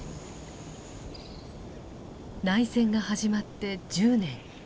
内戦が始まって１０年。